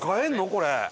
これ。